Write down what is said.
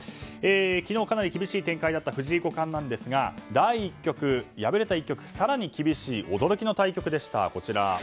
昨日、かなり厳しい展開だった藤井五冠だったんですが第１局、敗れた１局更に厳しい驚きの対局でした。